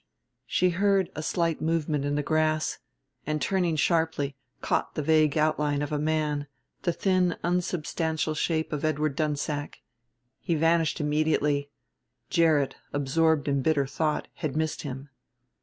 She heard a slight movement in the grass; and turning sharply caught the vague outline of a man, the thin unsubstantial shape of Edward Dunsack. He vanished immediately; Gerrit, absorbed in bitter thought, had missed him.